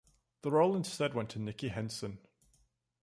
The role instead went to Nicky Henson.